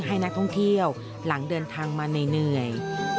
ให้นักท่องเที่ยวหลังเดินทางมาเหนื่อย